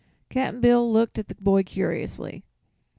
Cap'n Bill looked at the boy curiously.